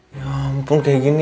ya ampun kayak gini